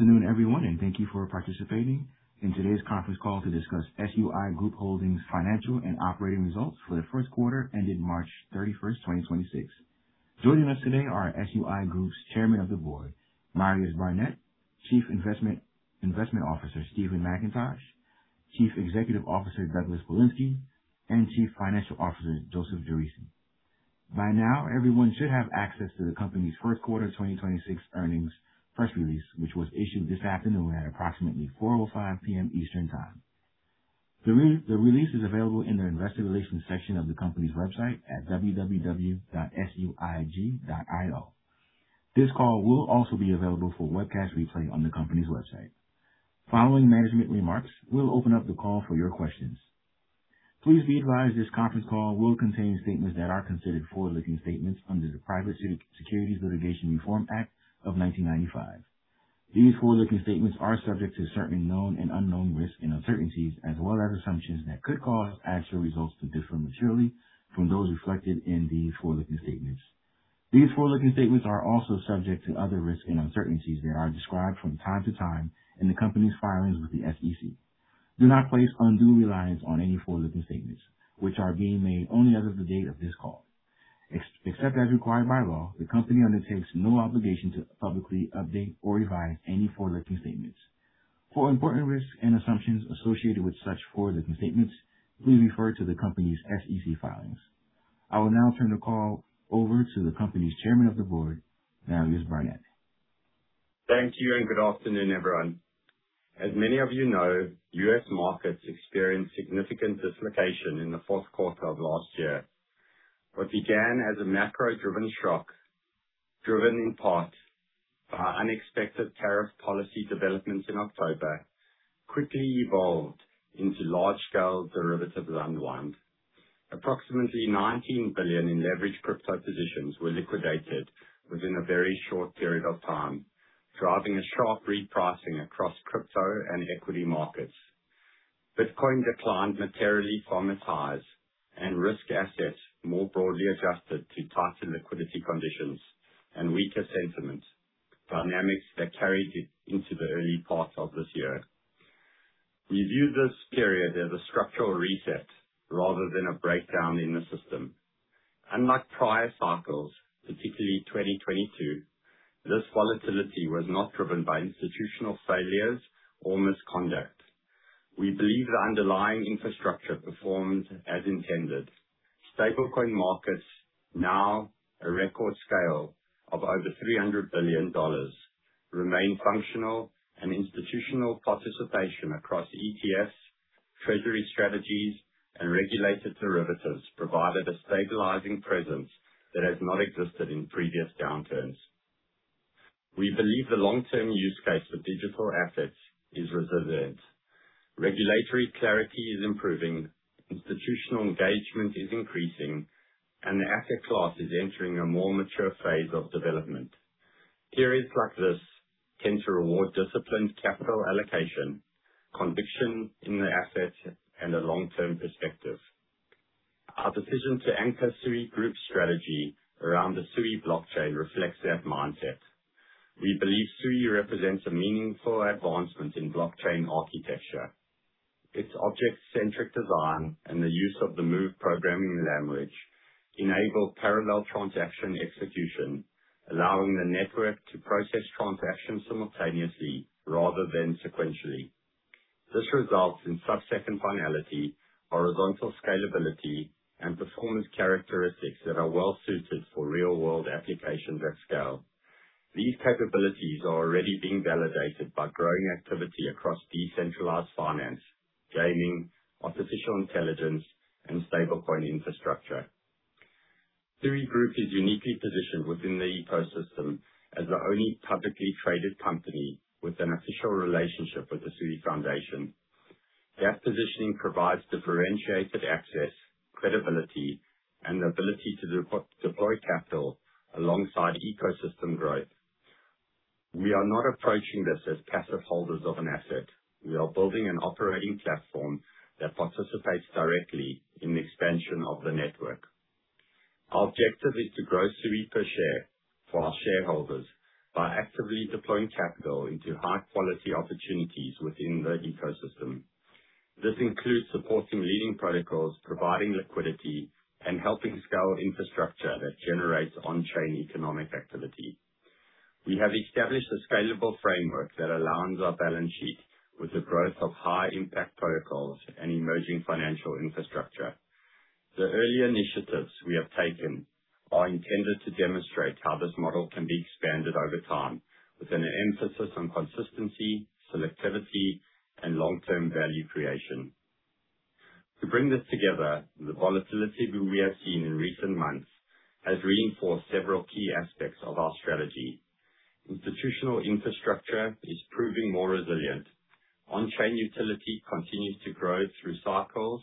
Afternoon, everyone, thank you for participating in today's conference call to discuss SUI Group Holdings' financial and operating results for the first quarter ended March 31st, 2026. Joining us today are SUI Group's Chairman of the Board, Marius Barnett, Chief Investment Officer, Stephen Mackintosh, Chief Executive Officer, Douglas Polinsky, and Chief Financial Officer, Joseph Geraci. By now, everyone should have access to the company's first quarter 2026 earnings press release, which was issued this afternoon at approximately 4:05 P.M. Eastern Time. The release is available in the investor relations section of the company's website at www.suig.io. This call will also be available for webcast replay on the company's website. Following management remarks, we will open up the call for your questions. Please be advised this conference call will contain statements that are considered forward-looking statements under the Private Securities Litigation Reform Act of 1995. These forward-looking statements are subject to certain known and unknown risks and uncertainties, as well as assumptions that could cause actual results to differ materially from those reflected in these forward-looking statements. These forward-looking statements are also subject to other risks and uncertainties that are described from time to time in the company's filings with the SEC. Do not place undue reliance on any forward-looking statements, which are being made only as of the date of this call. Except as required by law, the company undertakes no obligation to publicly update or revise any forward-looking statements. For important risks and assumptions associated with such forward-looking statements, please refer to the company's SEC filings. I will now turn the call over to the company's Chairman of the Board, Marius Barnett. Thank you, good afternoon, everyone. As many of you know, U.S. markets experienced significant dislocation in the fourth quarter of last year. What began as a macro-driven shock, driven in part by unexpected tariff policy developments in October, quickly evolved into large-scale derivatives unwind. Approximately $19 billion in leveraged crypto positions were liquidated within a very short period of time, driving a sharp repricing across crypto and equity markets. Bitcoin declined materially from its highs, risk assets more broadly adjusted to tighter liquidity conditions and weaker sentiment, dynamics that carried it into the early part of this year. We view this period as a structural reset rather than a breakdown in the system. Unlike prior cycles, particularly 2022, this volatility was not driven by institutional failures or misconduct. We believe the underlying infrastructure performed as intended. Stablecoin markets, now a record scale of over $300 billion, remain functional, institutional participation across ETFs, Treasury strategies, and regulated derivatives provided a stabilizing presence that has not existed in previous downturns. We believe the long-term use case for digital assets is resilient. Regulatory clarity is improving, institutional engagement is increasing, the asset class is entering a more mature phase of development. Periods like this tend to reward disciplined capital allocation, conviction in the asset, a long-term perspective. Our decision to anchor SUI Group's strategy around the Sui blockchain reflects that mindset. We believe Sui represents a meaningful advancement in blockchain architecture. Its object-centric design and the use of the Move programming language enable parallel transaction execution, allowing the network to process transactions simultaneously rather than sequentially. This results in subsecond finality, horizontal scalability, and performance characteristics that are well suited for real-world applications at scale. These capabilities are already being validated by growing activity across decentralized finance, gaming, artificial intelligence, and stablecoin infrastructure. SUI Group is uniquely positioned within the ecosystem as the only publicly traded company with an official relationship with the Sui Foundation. That positioning provides differentiated access, credibility, and the ability to deploy capital alongside ecosystem growth. We are not approaching this as passive holders of an asset. We are building an operating platform that participates directly in the expansion of the network. Our objective is to grow SUI per share for our shareholders by actively deploying capital into high-quality opportunities within the ecosystem. This includes supporting leading protocols, providing liquidity, and helping scale infrastructure that generates on-chain economic activity. We have established a scalable framework that aligns our balance sheet with the growth of high-impact protocols and emerging financial infrastructure. The early initiatives we have taken are intended to demonstrate how this model can be expanded over time with an emphasis on consistency, selectivity, and long-term value creation. The volatility we have seen in recent months has reinforced several key aspects of our strategy. Institutional infrastructure is proving more resilient. On-chain utility continues to grow through cycles.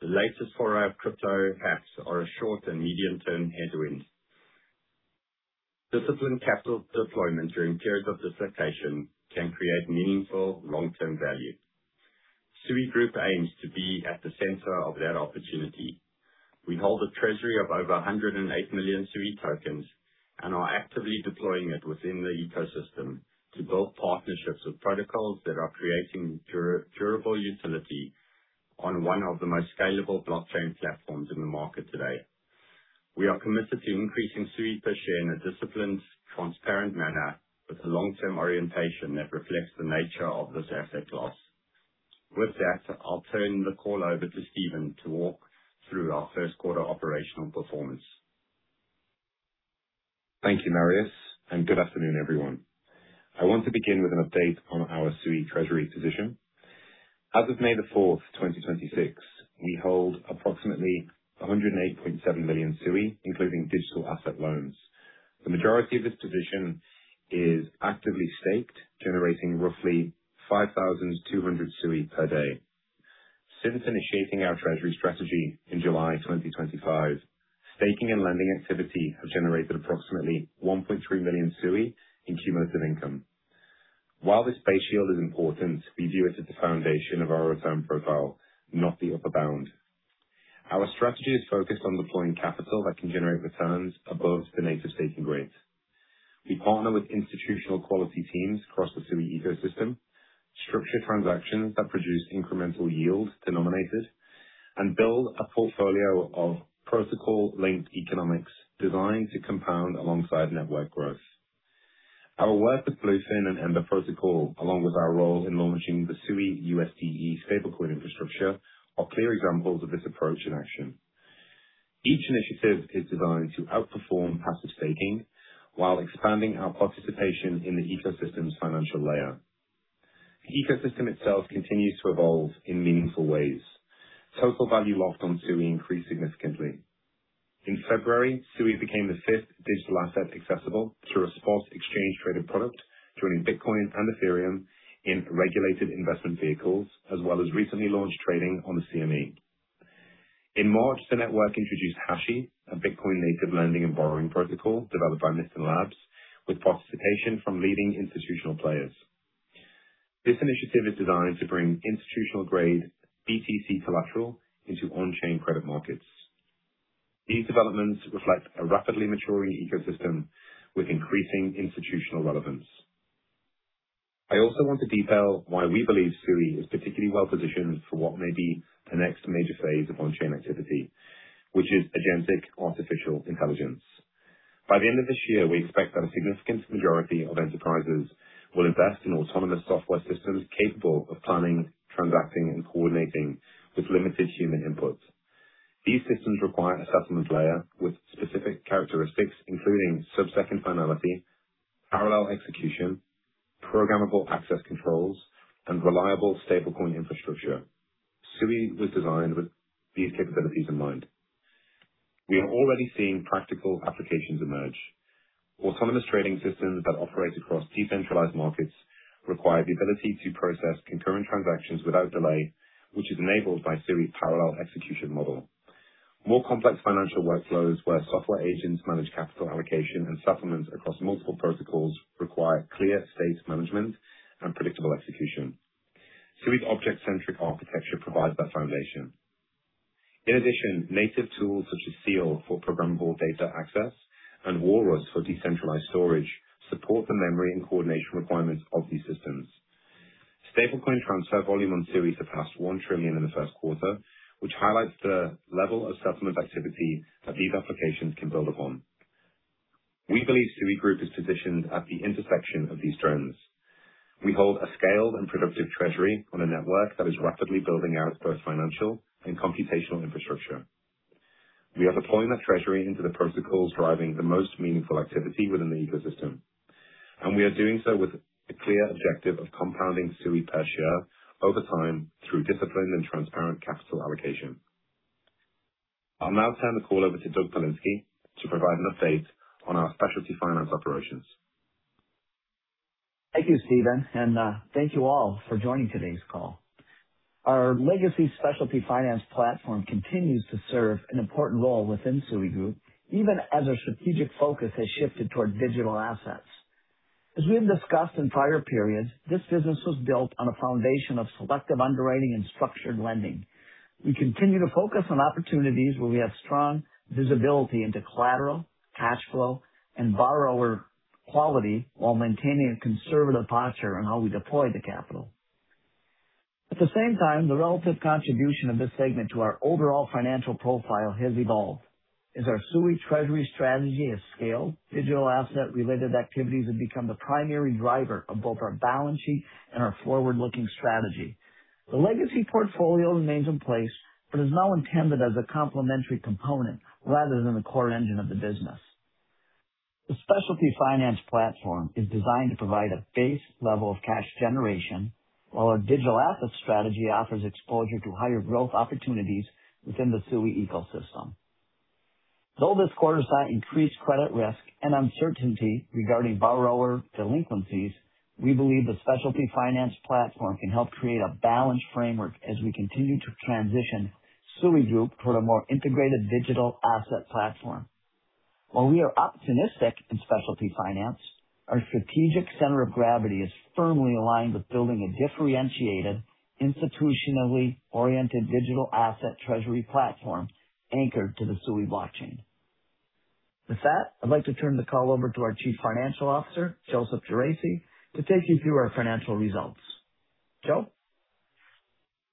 The latest foray of crypto apps are a short and medium-term headwind. Disciplined capital deployment during periods of dislocation can create meaningful long-term value. SUI Group aims to be at the center of that opportunity. We hold a treasury of over 108 million SUI tokens and are actively deploying it within the ecosystem to build partnerships with protocols that are creating durable utility on one of the most scalable blockchain platforms in the market today. We are committed to increasing SUI per share in a disciplined, transparent manner with a long-term orientation that reflects the nature of this asset class. With that, I'll turn the call over to Stephen to walk through our first quarter operational performance. Thank you, Marius, and good afternoon, everyone. I want to begin with an update on our SUI treasury position. As of May 4th, 2026, we hold approximately 108.7 million SUI, including digital asset loans. The majority of this position is actively staked, generating roughly 5,200 SUI per day. Since initiating our treasury strategy in July 2025, staking and lending activity have generated approximately 1.3 million SUI in cumulative income. While this base yield is important, we view it as the foundation of our return profile, not the upper bound. Our strategy is focused on deploying capital that can generate returns above the native staking rates. We partner with institutional quality teams across the SUI ecosystem, structure transactions that produce incremental yield denominated, and build a portfolio of protocol-linked economics designed to compound alongside network growth. Our work with Bluefin and Ember Protocol, along with our role in launching the suiUSDe stablecoin infrastructure, are clear examples of this approach in action. Each initiative is designed to outperform passive staking while expanding our participation in the ecosystem's financial layer. The ecosystem itself continues to evolve in meaningful ways. Total value locked on SUI increased significantly. In February, SUI became the fifth digital asset accessible through a spot exchange traded product, joining Bitcoin and Ethereum in regulated investment vehicles, as well as recently launched trading on the CME. In March, the network introduced Hashi, a Bitcoin-native lending and borrowing protocol developed by Mysten Labs with participation from leading institutional players. This initiative is designed to bring institutional-grade BTC collateral into on-chain credit markets. These developments reflect a rapidly maturing ecosystem with increasing institutional relevance. I also want to detail why we believe SUI is particularly well-positioned for what may be the next major phase of on-chain activity, which is agentic artificial intelligence. By the end of this year, we expect that a significant majority of enterprises will invest in autonomous software systems capable of planning, transacting, and coordinating with limited human input. These systems require a settlement layer with specific characteristics, including sub-second finality, parallel execution, programmable access controls, and reliable stablecoin infrastructure. SUI was designed with these capabilities in mind. We are already seeing practical applications emerge. Autonomous trading systems that operate across decentralized markets require the ability to process concurrent transactions without delay, which is enabled by SUI's parallel execution model. More complex financial workflows where software agents manage capital allocation and settlements across multiple protocols require clear state management and predictable execution. SUI's object-centric architecture provides that foundation. In addition, native tools such as Seal for programmable data access and Walrus for decentralized storage support the memory and coordination requirements of these systems. Stablecoin transfer volume on SUI surpassed $1 trillion in the first quarter, which highlights the level of settlement activity that these applications can build upon. We believe SUI Group is positioned at the intersection of these trends. We hold a scaled and productive treasury on a network that is rapidly building out both financial and computational infrastructure. We are deploying that treasury into the protocols driving the most meaningful activity within the ecosystem, and we are doing so with a clear objective of compounding SUI per share over time through disciplined and transparent capital allocation. I'll now turn the call over to Doug Polinsky to provide an update on our specialty finance operations. Thank you, Stephen, and thank you all for joining today's call. Our legacy specialty finance platform continues to serve an important role within SUI Group, even as our strategic focus has shifted toward digital assets. As we have discussed in prior periods, this business was built on a foundation of selective underwriting and structured lending. We continue to focus on opportunities where we have strong visibility into collateral, cash flow, and borrower quality while maintaining a conservative posture on how we deploy the capital. At the same time, the relative contribution of this segment to our overall financial profile has evolved. As our SUI treasury strategy has scaled, digital asset-related activities have become the primary driver of both our balance sheet and our forward-looking strategy. The legacy portfolio remains in place but is now intended as a complementary component rather than the core engine of the business. The specialty finance platform is designed to provide a base level of cash generation, while our digital asset strategy offers exposure to higher growth opportunities within the Sui ecosystem. Though this quarter saw increased credit risk and uncertainty regarding borrower delinquencies, we believe the specialty finance platform can help create a balanced framework as we continue to transition SUI Group toward a more integrated digital asset platform. While we are optimistic in specialty finance, our strategic center of gravity is firmly aligned with building a differentiated, institutionally oriented digital asset treasury platform anchored to the Sui blockchain. With that, I'd like to turn the call over to our Chief Financial Officer, Joseph Geraci, to take you through our financial results. Joe?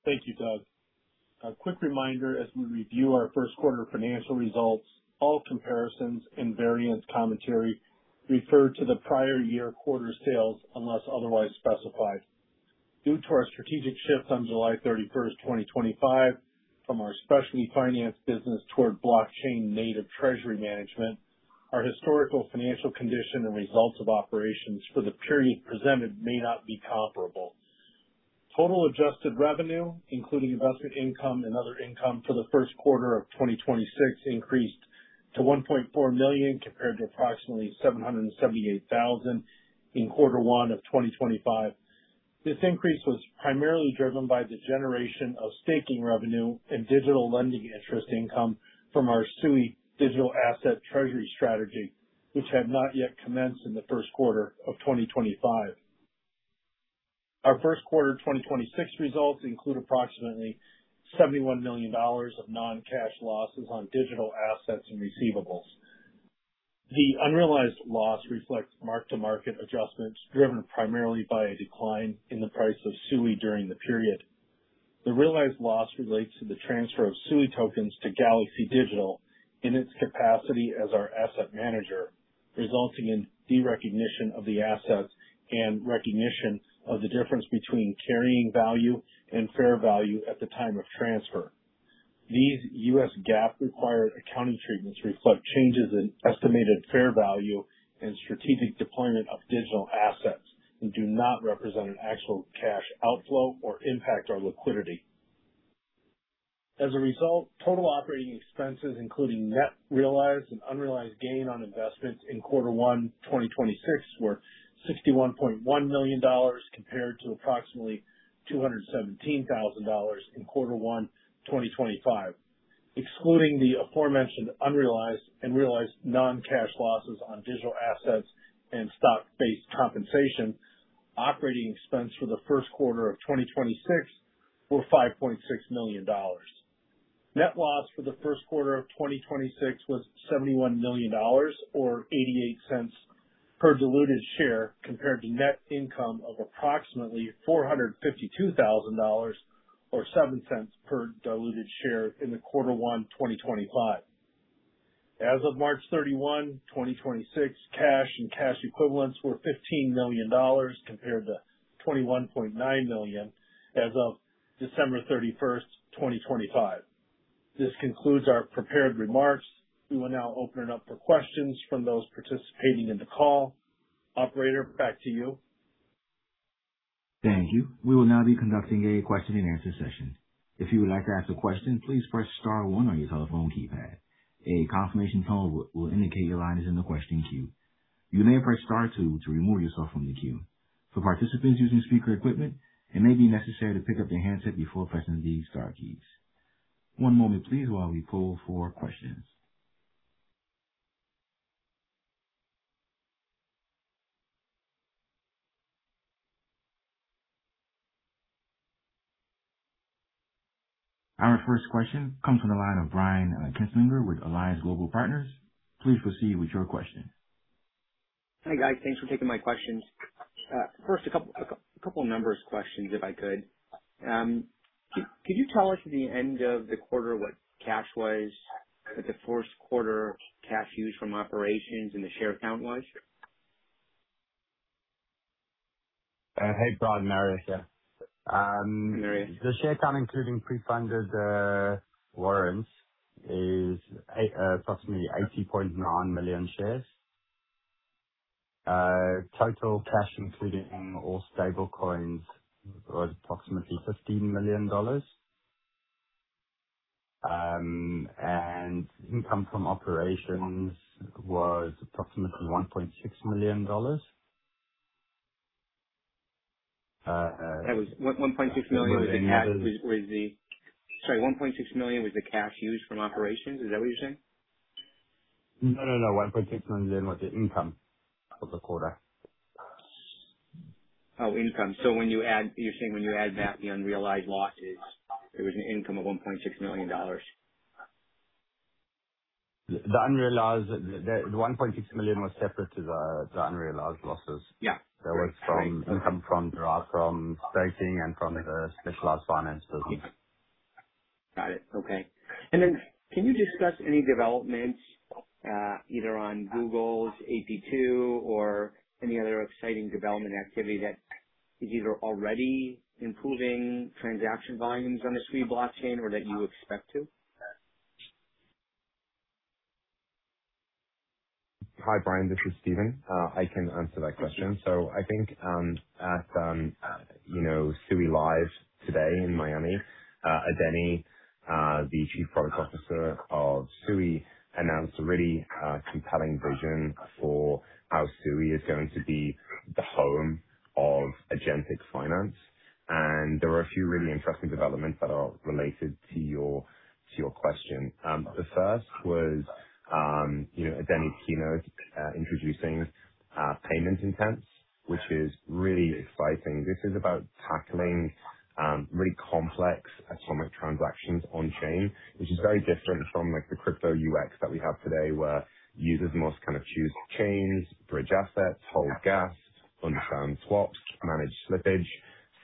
Thank you, Doug. A quick reminder, as we review our first quarter financial results, all comparisons and variance commentary refer to the prior year quarter sales unless otherwise specified. Due to our strategic shift on July 31st, 2025, from our specialty finance business toward blockchain-native treasury management, our historical financial condition and results of operations for the period presented may not be comparable. Total adjusted revenue, including investment income and other income for the first quarter of 2026 increased to $1.4 million compared to approximately $778,000 in quarter one of 2025. This increase was primarily driven by the generation of staking revenue and digital lending interest income from our Sui digital asset treasury strategy, which had not yet commenced in the first quarter of 2025. Our first quarter 2026 results include approximately $71 million of non-cash losses on digital assets and receivables. The unrealized loss reflects mark-to-market adjustments driven primarily by a decline in the price of Sui during the period. The realized loss relates to the transfer of Sui tokens to Galaxy Digital in its capacity as our asset manager, resulting in derecognition of the assets and recognition of the difference between carrying value and fair value at the time of transfer. These U.S. GAAP-required accounting treatments reflect changes in estimated fair value and strategic deployment of digital assets and do not represent an actual cash outflow or impact our liquidity. As a result, total operating expenses, including net realized and unrealized gain on investments in quarter one 2026, were $61.1 million compared to approximately $217,000 in quarter one 2025. Excluding the aforementioned unrealized and realized non-cash losses on digital assets and stock-based compensation, operating expense for the first quarter of 2026 were $5.6 million. Net loss for the first quarter of 2026 was $71 million or $0.88 per diluted share, compared to net income of approximately $452,000 or $0.07 per diluted share in the quarter one 2025. As of March 31, 2026, cash and cash equivalents were $15 million compared to $21.9 million as of December 31, 2025. This concludes our prepared remarks. We will now open it up for questions from those participating in the call. Operator, back to you. Thank you. We will now be conducting a question and answer session. If you would like to ask a question, please press star one on your telephone keypad. A confirmation tone will indicate your line is in the question queue. You may press star two to remove yourself from the queue. For participants using speaker equipment, it may be necessary to pick up your handset before pressing these star keys. One moment please, while we pull for questions. Our first question comes from the line of Brian Kinstlinger with Alliance Global Partners. Please proceed with your question. Hey, guys. Thanks for taking my questions. First, a couple of numbers questions if I could. Could you tell us at the end of the quarter what cash was, the first quarter cash used from operations and the share count was? Hey, Brian, Marius here. Marius. The share count, including pre-funded warrants, is approximately 80.9 million shares. Total cash, including all stable coins, was approximately $15 million. Income from operations was approximately $1.6 million. That was $1.6 million was the cash used from operations? Is that what you're saying? No. $1.6 million was the income for the quarter. Oh, income. You're saying when you add back the unrealized losses, it was an income of $1.6 million. The $1.6 million was separate to the unrealized losses. Yeah. That was from income from staking and from the specialty finance business. Got it. Okay. Then can you discuss any developments, either on Google's AP2 or any other exciting development activity that is either already improving transaction volumes on the Sui blockchain or that you expect to? Hi, Brian. This is Stephen. I can answer that question. I think at Sui Live today in Miami, Adeniyi, the chief product officer of Sui, announced a really compelling vision for how Sui is going to be the home of agentic finance. There are a few really interesting developments that are related to your question. The first was Adeniyi's keynote, introducing Payment Intents, which is really exciting. This is about tackling really complex atomic transactions on-chain, which is very different from the crypto UX that we have today, where users must choose chains, bridge assets, hold gas, understand swaps, manage slippage,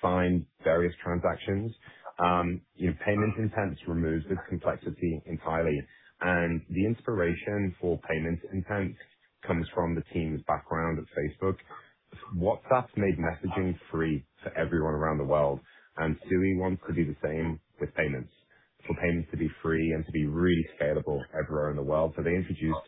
sign various transactions. Payment Intents removes this complexity entirely, and the inspiration for Payment Intent comes from the team's background at Facebook. WhatsApp made messaging free to everyone around the world. Sui wants to do the same with payments, for payments to be free and to be really scalable everywhere in the world. They introduced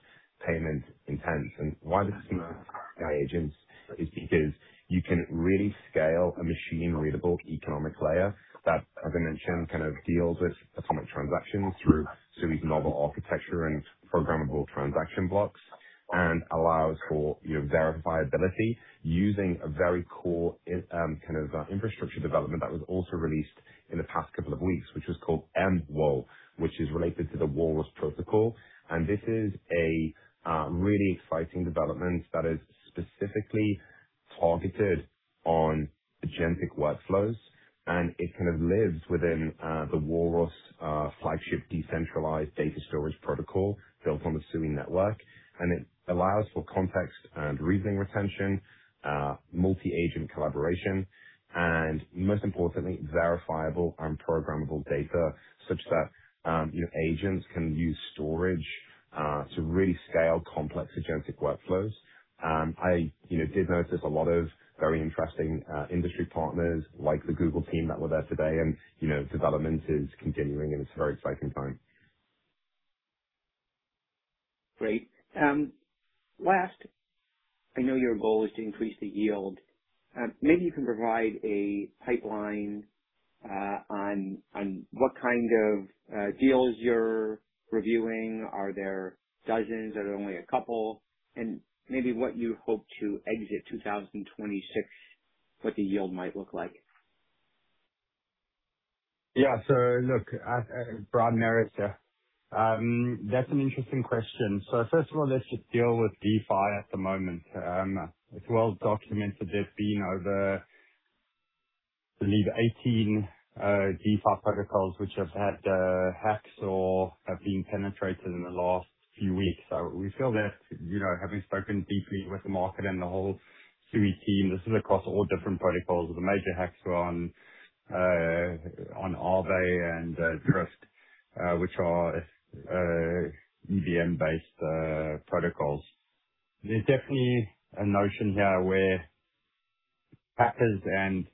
Payment Intents. Why this is important for AI agents is because you can really scale a machine-readable economic layer that, as I mentioned, deals with atomic transactions through Sui's novel architecture and programmable transaction blocks, and allows for verifiability using a very core infrastructure development that was also released in the past couple of weeks, which was called MemWal, which is related to the Walrus protocol. This is a really exciting development that is specifically targeted on agentic workflows, and it lives within the Walrus flagship decentralized data storage protocol built on the Sui network. It allows for context and reasoning retention, multi-agent collaboration, and most importantly, verifiable and programmable data such that agents can use storage to really scale complex agentic workflows. I did notice a lot of very interesting industry partners like the Google team that were there today. Development is continuing, and it's a very exciting time. Great. Last, I know your goal is to increase the yield. Maybe you can provide a pipeline on what kind of deals you're reviewing. Are there dozens? Are there only a couple? Maybe what you hope to exit 2026, what the yield might look like. Yeah. Look, Brian, Marius here. That's an interesting question. First of all, let's just deal with DeFi at the moment. It's well documented there's been over, I believe, 18 DeFi protocols which have had hacks or have been penetrated in the last few weeks. We feel that, having spoken deeply with the market and the whole Sui team, this is across all different protocols. The major hacks were on Aave and Drift, which are EVM-based protocols. There's definitely a notion here where hackers and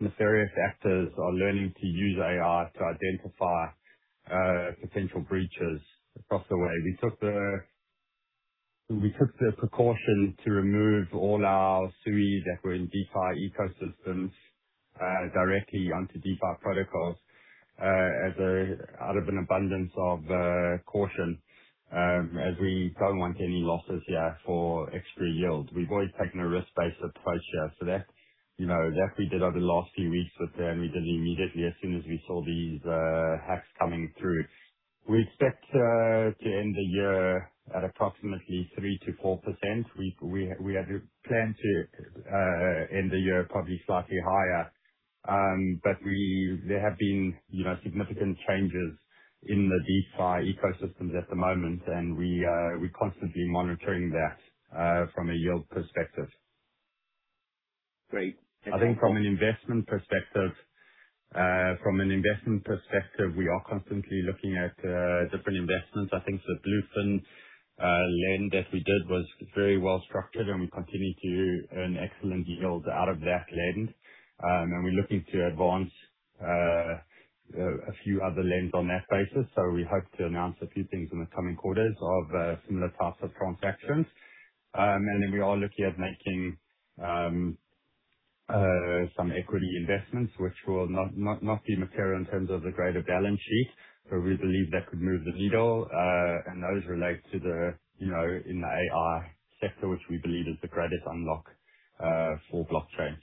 nefarious actors are learning to use AI to identify potential breaches across the way. We took the precaution to remove all our Sui that were in DeFi ecosystems directly onto DeFi protocols out of an abundance of caution, as we don't want any losses here for extra yield. We've always taken a risk-based approach here. That we did over the last few weeks with them, we did it immediately as soon as we saw these hacks coming through. We expect to end the year at approximately 3% to 4%. We had planned to end the year probably slightly higher. There have been significant changes in the DeFi ecosystems at the moment, and we're constantly monitoring that from a yield perspective. Great. I think from an investment perspective, we are constantly looking at different investments. I think the Bluefin lend that we did was very well structured, and we continue to earn excellent yields out of that lend. We're looking to advance a few other lends on that basis. We hope to announce a few things in the coming quarters of similar types of transactions. We are looking at making some equity investments, which will not be material in terms of the greater balance sheet. We believe that could move the needle. Those relate to the AI sector, which we believe is the greatest unlock for blockchains.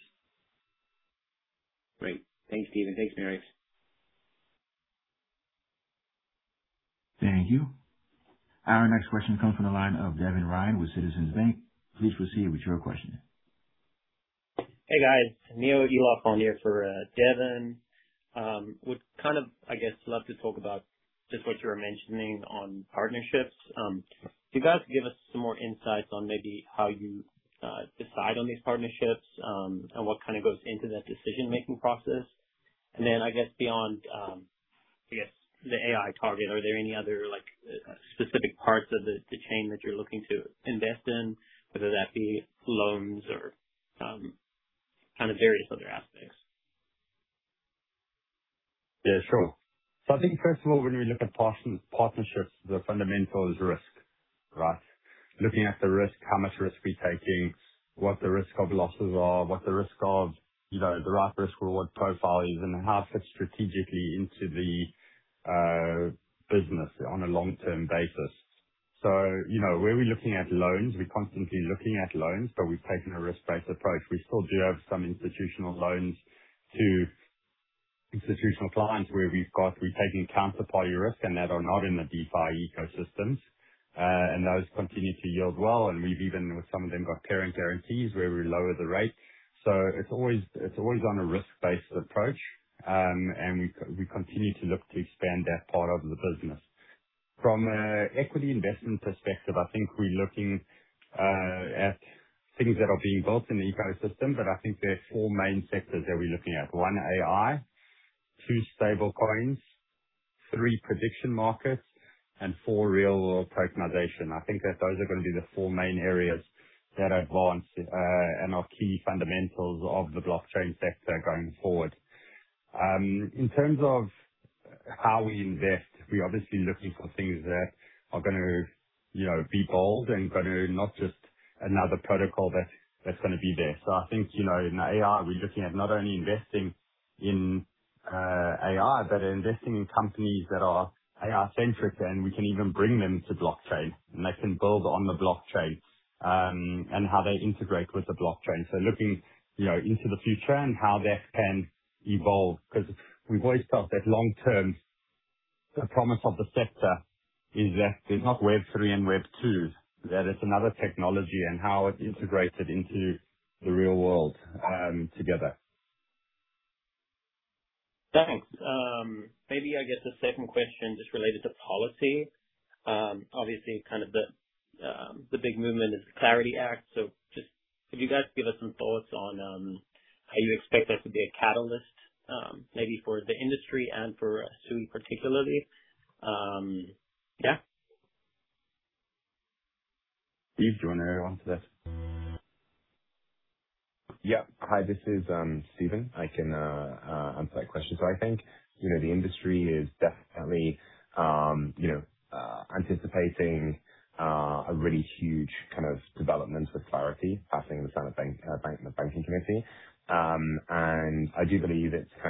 Great. Thanks, Stephen. Thanks, Marius. Thank you. Our next question comes from the line of Devin Ryan with Citizens Bank. Please proceed with your question. Hey, guys. Neil Eloff on here for Devin. Would kind of, I guess, love to talk about just what you were mentioning on partnerships. Could you guys give us some more insights on maybe how you decide on these partnerships, and what goes into that decision-making process? Then, I guess beyond, I guess the AI target, are there any other specific parts of the chain that you're looking to invest in, whether that be loans or kind of various other aspects? Yeah, sure. I think first of all, when we look at partnerships, the fundamental is risk, right? Looking at the risk, how much risk we're taking, what the risk of losses are, what the risk of the right risk reward profile is, and how it fits strategically into the business on a long-term basis. Where we're looking at loans, we're constantly looking at loans, but we've taken a risk-based approach. We still do have some institutional loans to institutional clients where we've taken counterparty risk and that are not in the DeFi ecosystems. Those continue to yield well, and we've even, with some of them, got parent guarantees where we lower the rate. It's always on a risk-based approach. We continue to look to expand that part of the business. From an equity investment perspective, I think we're looking at things that are being built in the ecosystem, but I think there are four main sectors that we're looking at. One, AI, two, stablecoins, three, prediction markets, and four, real-world tokenization. I think that those are going to be the four main areas that advance and are key fundamentals of the blockchain sector going forward. In terms of how we invest, we're obviously looking for things that are going to be bold and going to not just another protocol that's going to be there. I think, in AI, we're looking at not only investing in AI, but investing in companies that are AI-centric, and we can even bring them to blockchain, and they can build on the blockchain, and how they integrate with the blockchain. Looking into the future and how that can evolve, because we've always felt that long-term promise of the sector is that it's not Web3 and Web2, that it's another technology and how it integrated into the real world together. Thanks. Maybe I guess the second question, just related to policy. Obviously, the big movement is the Clarity Act. Just could you guys give us some thoughts on how you expect that to be a catalyst maybe for the industry and for SUI particularly? Yeah. Stephen, do you want to answer this? Yeah. Hi, this is Stephen. I can answer that question. I think the industry is definitely anticipating a really huge kind of development with Clarity Act passing in the U.S. Senate Banking Committee. I do believe it's a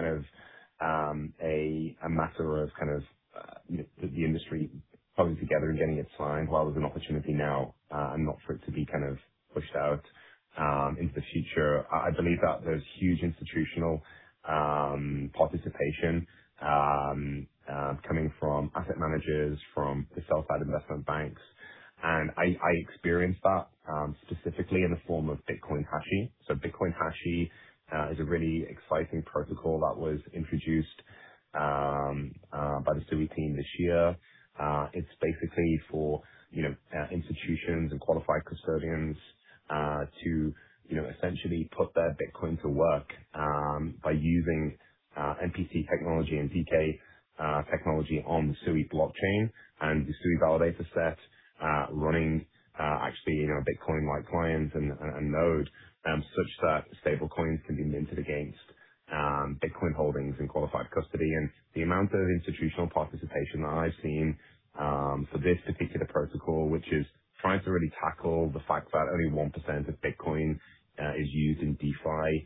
matter of the industry coming together and getting it signed while there's an opportunity now, and not for it to be pushed out into the future. I believe that there's huge institutional participation coming from asset managers, from the sell-side investment banks. I experienced that specifically in the form of Bitcoin Hashi. Bitcoin Hashi is a really exciting protocol that was introduced by the SUI team this year. It's basically for institutions and qualified custodians to essentially put their Bitcoin to work by using MPC technology and ZK technology on the Sui blockchain, and the Sui validator set running actually Bitcoin-like clients and node, such that stablecoins can be minted against Bitcoin holdings in qualified custody. The amount of institutional participation that I've seen for this particular protocol, which is trying to really tackle the fact that only 1% of Bitcoin is used in DeFi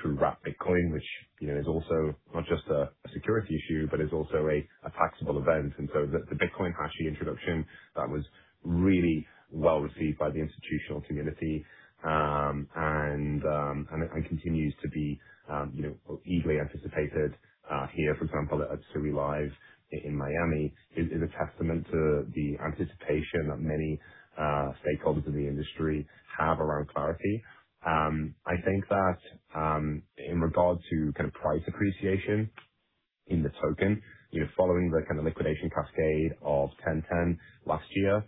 through wrapped Bitcoin, which is also not just a security issue, but is also a taxable event. The Bitcoin Hashi introduction, that was really well received by the institutional community. It continues to be eagerly anticipated here, for example, at Sui Live in Miami, is a testament to the anticipation that many stakeholders in the industry have around Clarity Act. I think that in regard to price appreciation in the token, following the liquidation cascade of 10/10 last year,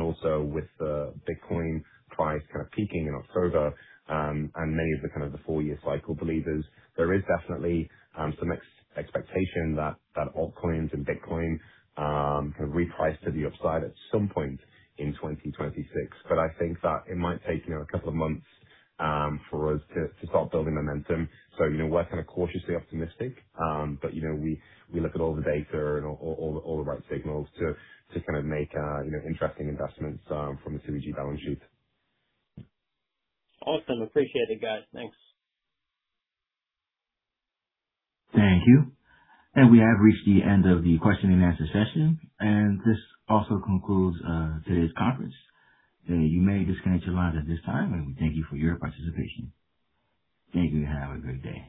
also with the Bitcoin price peaking in October, many of the four-year cycle believers, there is definitely some expectation that altcoins and Bitcoin reprice to the upside at some point in 2026. I think that it might take a couple of months for us to start building momentum. We're cautiously optimistic, but we look at all the data and all the right signals to make interesting investments from the SUI Group balance sheet. Awesome. Appreciate it, guys. Thanks. Thank you. We have reached the end of the question and answer session. This also concludes today's conference. You may disconnect your lines at this time, and we thank you for your participation. Thank you, and have a great day.